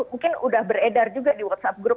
mungkin udah beredar juga di whatsapp group